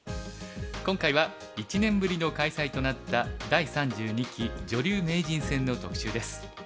今回は１年ぶりの開催となった第３２期女流名人戦の特集です。